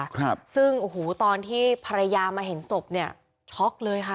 ครับซึ่งโอ้โหตอนที่ภรรยามาเห็นศพเนี้ยช็อกเลยค่ะ